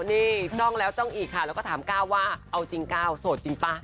นี่จ้องแล้วจ้องอีกค่ะแล้วก็ถามก้าวว่าเอาจริงก้าวโสดจริงป่ะ